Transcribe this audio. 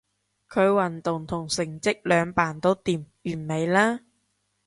佢運動同成績兩瓣都掂，完美啦